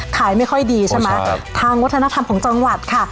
ขายไม่ค่อยดีใช่ไหมทางวัฒนธรรมของจังหวัดค่ะ